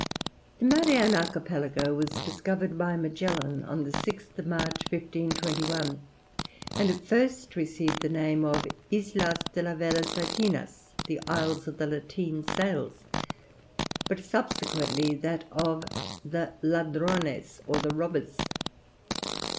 The Marianne archipelago was discovered by Magellan on the 6th March, 1521, and at first received the name of Islas de las velas latinas, the Isles of the lateen sails, but subsequently that of the Ladrones, or the Robbers.